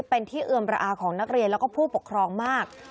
เป็นที่เอือมระอาของนักเรียนแล้วก็ผู้ปกครองมาก